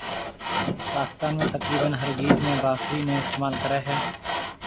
پاڪستان ۾ تقريبن ھر گيت ۾ بانسري ني استعمال ڪري ھيَََ